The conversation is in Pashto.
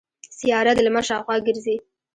سیاره د لمر شاوخوا ګرځي.